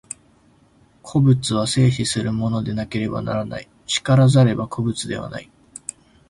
個物は生死するものでなければならない、然らざれば個物ではない。